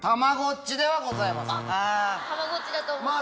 たまごっちだと思った。